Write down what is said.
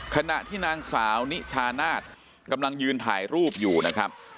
ขณะที่นางสาวนิชานาศกำลังยืนถ่ายรูปอยู่นะครับ